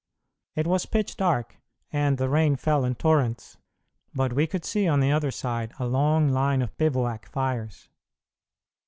It was pitch dark, and the rain fell in torrents, but we could see on the other side a long line of bivouac fires.